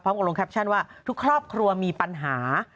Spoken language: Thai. ลงแคปชั่นว่าทุกครอบครัวมีปัญหา